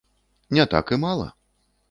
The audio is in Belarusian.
Не так і мала.